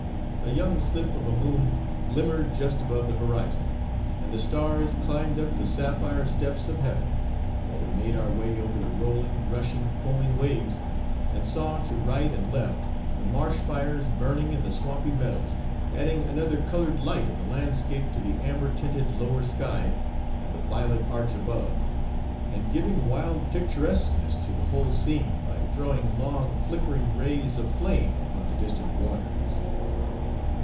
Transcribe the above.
A young slip of a moon glimmered just above the horizon, and 'the stars climbed up the sapphire steps of heaven,' while we made our way over the rolling, rushing, foaming waves, and saw to right and left the marsh fires burning in the swampy meadows, adding another coloured light in the landscape to the amber tinted lower sky and the violet arch above, and giving wild picturesqueness to the whole scene by throwing long flickering rays of flame upon the distant waters.